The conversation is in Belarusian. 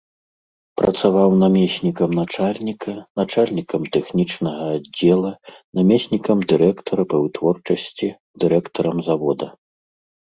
Працаваў намеснікам начальніка, начальнікам тэхнічнага аддзела, намеснікам дырэктара па вытворчасці, дырэктарам завода.